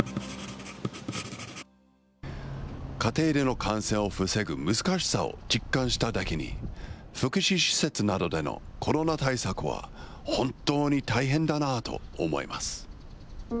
家庭での感染を防ぐ難しさを実感しただけに、福祉施設などでのコロナ対策は本当に大変だなと思います。